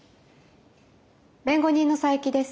弁護人の佐伯です。